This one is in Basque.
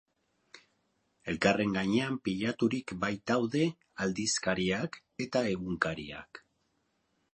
Elkarren gainean pilaturik baitaude aldizkariak eta egunkariak.